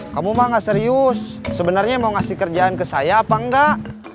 kamu mah gak serius sebenarnya mau ngasih kerjaan ke saya apa enggak